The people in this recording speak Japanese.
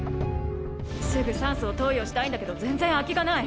すぐ酸素を投与したいんだけど全然空きがない。